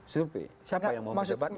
siapa yang mau mengecepat